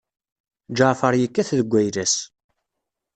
Ǧaɛfeṛ yekkat deg ayla-is.